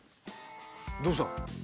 どうした？